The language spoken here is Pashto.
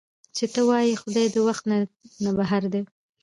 چې تۀ وائې خدائے د وخت نه بهر دے